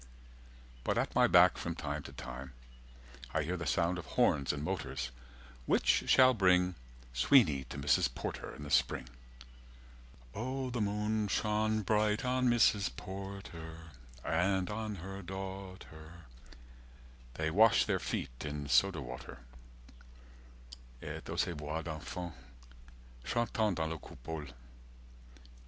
But at my back from time to time I hear The sound of horns and motors, which shall bring Sweeney to Mrs. Porter in the spring. O the moon shone bright on Mrs. Porter And on her daughter 200 They wash their feet in soda water _Et O ces voix d'enfants, chantant dans la coupole!